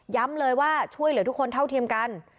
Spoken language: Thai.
เลยว่าช่วยเหลือทุกคนเท่าเทียมกัน